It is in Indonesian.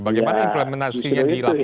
bagaimana implementasinya di lapangan